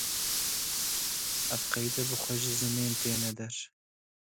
Ev qeyde bi xwe ji zimên têne der